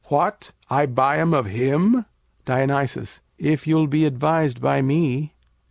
What? I buy 'em of him? Dion. If you'll be advised by me.